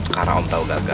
karena om tau gagal